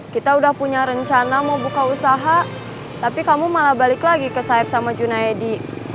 kita udah punya rencana mau buka usaha tapi kamu malah balik lagi ke sayap sama junaidi